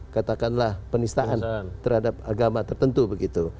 katakanlah penistaan terhadap agama tertentu begitu